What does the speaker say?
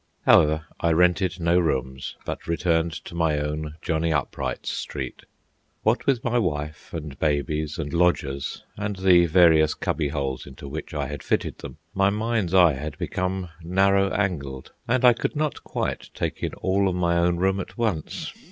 However, I rented no rooms, but returned to my own Johnny Upright's street. What with my wife, and babies, and lodgers, and the various cubby holes into which I had fitted them, my mind's eye had become narrow angled, and I could not quite take in all of my own room at once.